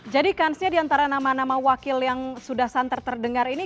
jadi kansnya diantara nama nama wakil yang sudah santer terdengar ini